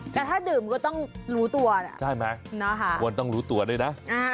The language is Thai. แต่ถ้าดื่มก็ต้องรู้ตัวนะใช่ไหมควรต้องรู้ตัวด้วยนะ